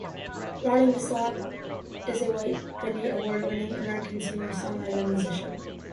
Ronnie Milsap is a white Grammy Award-winning American singer, songwriter, and musician.